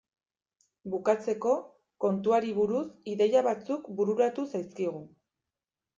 Bukatzeko, kontuari buruz ideia batzuk bururatu zaizkigu.